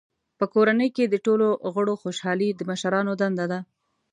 په کورنۍ کې د ټولو غړو خوشحالي د مشرانو دنده ده.